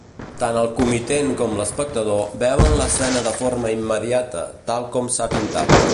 Tant el comitent com l'espectador veuen l'escena de forma immediata, tal com s'ha pintat.